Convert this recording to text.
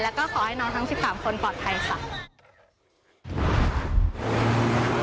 แล้วก็ขอให้น้องทั้ง๑๓คนปลอดภัยค่ะ